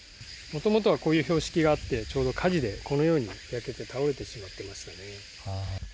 もともとはこういう標識があって、ちょうど火事で、このように焼けて倒れてしまっていましたね。